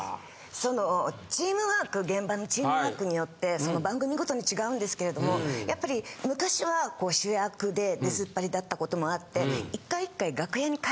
そのチームワーク現場のチームワークによって番組ごとに違うんですけれどもやっぱり昔は主役で出ずっぱりだったこともあって１回１回。